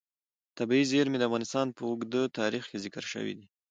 طبیعي زیرمې د افغانستان په اوږده تاریخ کې ذکر شوی دی.